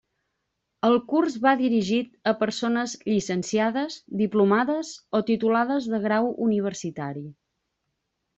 El curs va dirigit a persones llicenciades, diplomades o titulades de grau universitari.